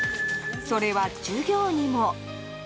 それは授業にも。